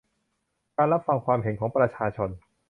การรับฟังความเห็นของประชาชน